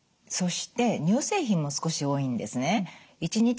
そして乳製品も少し多いんですね。